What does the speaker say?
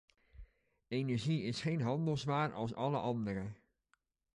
Energie is geen handelswaar als alle andere.